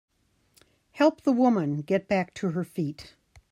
Help the woman get back to her feet.